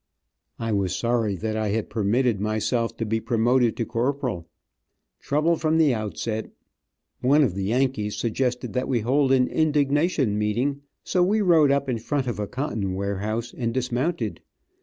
I was sorry that I had permitted myself to be promoted to Corporal. Trouble from the outset. One of the Yankees suggested that we hold an indignation meeting, so we rode up in front of a cotton warehouse and dismounted.